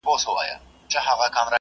لوستونکی د متن معنی درک کوي.